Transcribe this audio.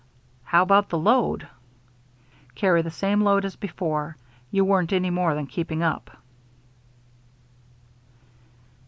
"How about the load?" "Carry the same load as before. You weren't any more than keeping up."